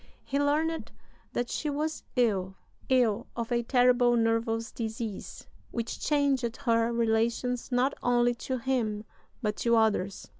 He learned that she was ill ill of "a terrible nervous disease, which changed her relations not only to him, but to others."